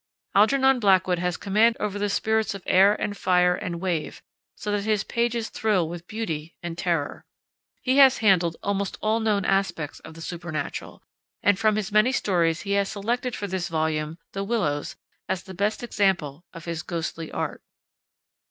Algernon Blackwood has command over the spirits of air and fire and wave, so that his pages thrill with beauty and terror. He has handled almost all known aspects of the supernatural, and from his many stories he has selected for this volume The Willows as the best example of his ghostly art.